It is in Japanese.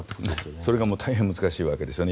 それが大変難しいわけですよね。